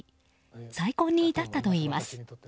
再婚に至ったといいます。